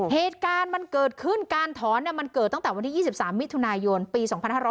เหตุการณ์มันเกิดขึ้นการถอนมันเกิดตั้งแต่วันที่๒๓มิถุนายนปี๒๕๕๙